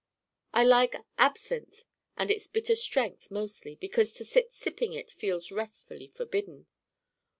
I like absinthe in its bitter strength mostly because to sit sipping it feels restfully forbidden.